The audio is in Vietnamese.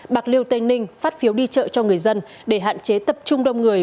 bạc liêu tây ninh phát phiếu đi chợ cho người dân để hạn chế tập trung đông người